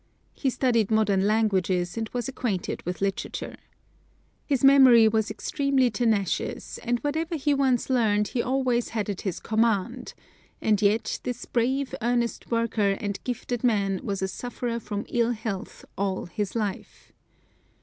He studied modern languages, and was acquainted with literature. His memory was extremely tenacious, and whatever he once learned he always had at his command; and yet this brave earnest worker and gifted man was a sufferer from ill health all his life.